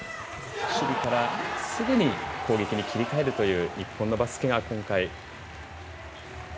守備から、すぐに攻撃に切り替えるという日本のバスケが今回。